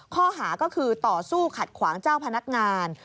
ข้อหาก็คือต่อสู้ขัดขวางเจ้าพนักงาน